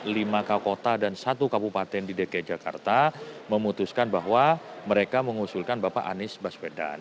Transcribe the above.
lima kauta dan satu kabupaten di dki jakarta memutuskan bahwa mereka mengusulkan bapak anies baswedan